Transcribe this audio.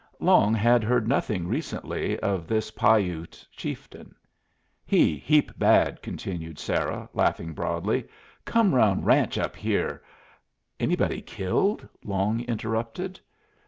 Long had heard nothing recently of this Pah Ute chieftain. "He heap bad," continued Sarah, laughing broadly. "Come round ranch up here " "Anybody killed?" Long interrupted.